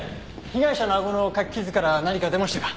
被害者のあごのかき傷から何か出ましたか？